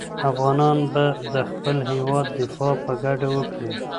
افغانان به د خپل هېواد دفاع په ګډه وکړي.